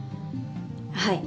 はい。